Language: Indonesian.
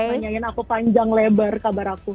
mereka tanyain aku panjang lebar kabar aku